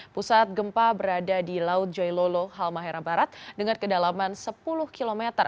pusat gempa berada di laut jailolo halmahera barat dengan kedalaman sepuluh km